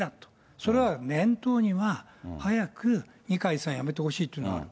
それは念頭には、早く二階さん、辞めてほしいっていうのがある。